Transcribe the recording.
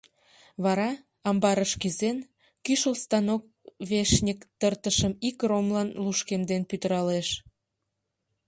Вара, амбарыш кӱзен, кӱшыл станок вешньык тыртышым ик ромлан лушкемден пӱтыралеш.